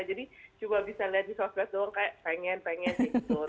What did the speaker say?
jadi cuma bisa lihat di sosial media doang kayak pengen pengen gitu